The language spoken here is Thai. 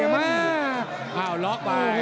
โอ้โหลองไป